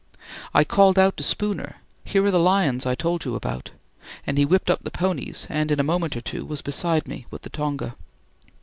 I called out to Spooner, "Here are the lions I told you about," and he whipped up the ponies and in a moment or two was beside me with the tonga.